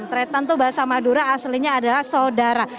tretan tuh bahasa madura aslinya adalah sodara